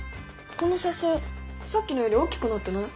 この写真さっきのより大きくなってない？